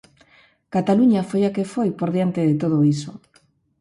Cataluña foi a que foi por diante de todo iso.